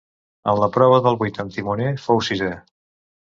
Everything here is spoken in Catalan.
En la prova del vuit amb timoner fou sisè.